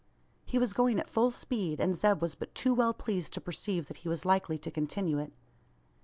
He was going at full speed; and Zeb was but too well pleased to perceive that he was likely to continue it.